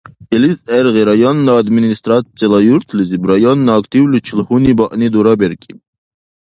Илис гӀергъи районна администрацияла юртлизиб районна активличил гьунибаъни дураберкӀиб.